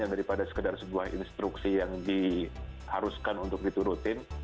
daripada sekedar sebuah instruksi yang diharuskan untuk diturutin